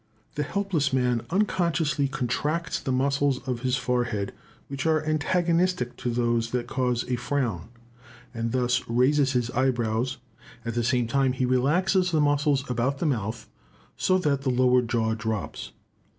The helpless man unconsciously contracts the muscles of his forehead which are antagonistic to those that cause a frown, and thus raises his eyebrows; at the same time he relaxes the muscles about the mouth, so that the lower jaw drops.